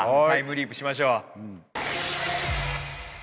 タイムリープしましょう。